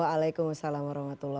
waalaikumsalam wr wb